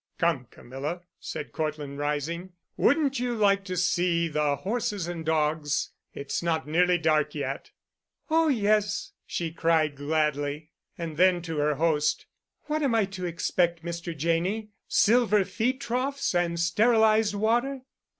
"Come, Camilla," said Cortland, rising, "wouldn't you like to see the horses and dogs? It's not nearly dark yet." "Oh, yes," she cried gladly. And then to her host, "What am I to expect, Mr. Janney, silver feed troughs and sterilized water?"